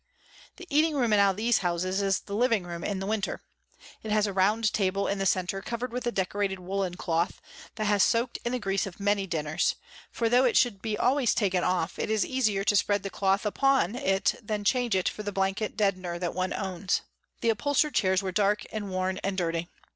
The eating room in all these houses is the living room in winter. It has a round table in the centre covered with a decorated woolen cloth, that has soaked in the grease of many dinners, for though it should be always taken off, it is easier to spread the cloth upon it than change it for the blanket deadener that one owns. The upholstered chairs are dark and worn, and dirty.